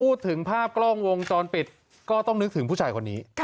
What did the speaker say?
พูดถึงภาพกล้องวงจรปิดก็ต้องนึกถึงผู้ชายคนนี้